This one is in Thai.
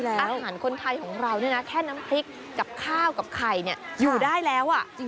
อาหารคนไทยของเราเนี่ยนะแค่น้ำพริกกับข้าวกับไข่อยู่ได้แล้ว